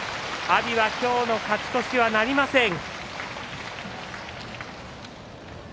阿炎は今日の勝ち越しはなりません。